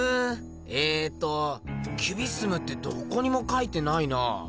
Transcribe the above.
ええとキュビスムってどこにも書いてないなあ。